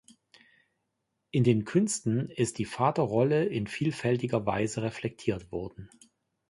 In den Künsten ist die Vaterrolle in vielfältiger Weise reflektiert worden.